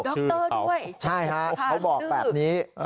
รด้วยใช่ฮะเขาบอกแบบนี้